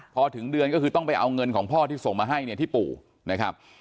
พอถึงเดือนก็คือต้องไปเอาเงินของพ่อที่ส่งมาให้เนี่ยที่ปู่นะครับ